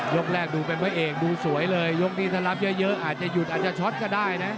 แรกดูเป็นพระเอกดูสวยเลยยกนี้ถ้ารับเยอะอาจจะหยุดอาจจะช็อตก็ได้นะ